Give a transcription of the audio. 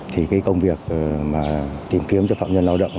thì cái công việc mà tìm kiếm cho phạm nhân lao động